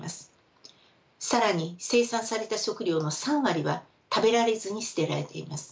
更に生産された食料の３割は食べられずに捨てられています。